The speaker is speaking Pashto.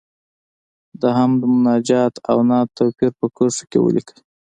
د حمد، مناجات او نعت توپیر په کرښو کې ولیکئ.